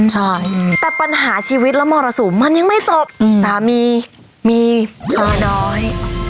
ใช่อืมแต่ปัญหาชีวิตและมรสูมมันยังไม่จบอืมสามีมีใช่ด้อย